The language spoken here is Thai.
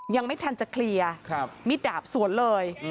ยังไม่ทันจะเคลียร์มิดดาบสวนเลย